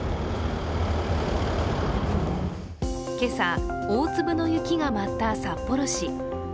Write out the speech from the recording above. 今朝、大粒の雪が舞った札幌市。